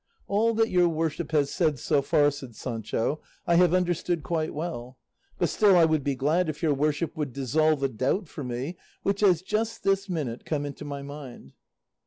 "All that your worship has said so far," said Sancho, "I have understood quite well; but still I would be glad if your worship would dissolve a doubt for me, which has just this minute come into my mind."